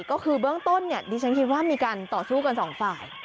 ก็คือเบื้องต้นเนี่ยดิฉันคิดว่ามีการต่อสู้กันสองฝ่าย